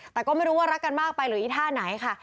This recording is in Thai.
แต่ก็ไม่รู้ว่ารักกันมากไปหรืออีท่าไหนค่ะ